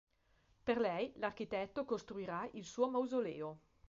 Per lei, l'architetto costruirà il suo mausoleo.